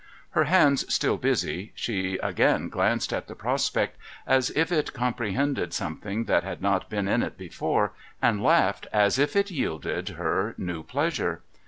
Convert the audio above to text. Her hands still busy, she again glanced at the prospect, as if it comi)rehcnded something that had not been in it before, and laughed as if it yielded her new pleasure.